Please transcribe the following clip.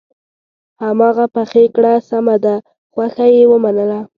هماغه پخې کړه سمه ده خوښه یې ومنله.